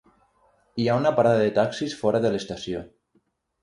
Hi ha una parada de taxis fora de l'estació.